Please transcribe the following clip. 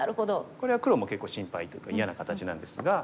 これは黒も結構心配というか嫌な形なんですが。